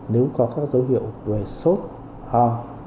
nếu có các dấu hiệu về sốt ho